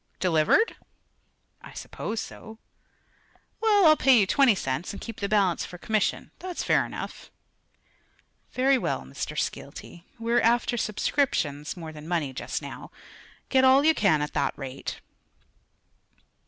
"Delivered?" "I suppose so." "Well, I'll pay you twenty cents, and keep the balance for commission. That's fair enough." "Very well, Mr. Skeelty. We're after subscriptions more than money, just now. Get all you can, at that rate."